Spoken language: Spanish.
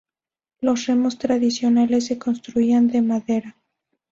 Los remos tradicionales se construían de madera.